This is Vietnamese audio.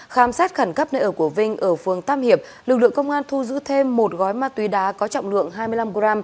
khám xét khẩn cấp nơi ở của vinh ở phường tam hiệp lực lượng công an thu giữ thêm một gói ma túy đá có trọng lượng hai mươi năm g